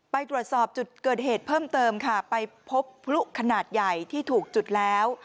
ไปตรวจสอบจุดเกิดเหตุเพิ่มเติมค่ะไปพบพลุขนาดใหญ่ที่ถูกจุดแล้ว